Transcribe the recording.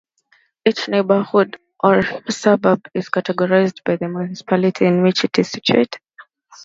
Each neighbourhood or suburb is categorised by the municipality in which it is situated.